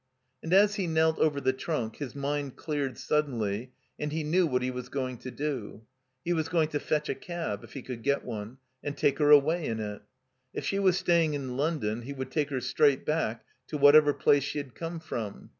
And as he knelt over the trunk his mind cleared suddenly, and he knew what he was going to do. He was going to fetch a cab, if he could get one, and take her away in it. If she was stajdng m London he would take her straight back to whatever place she had come from.